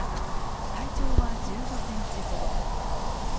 体長は１５センチほど。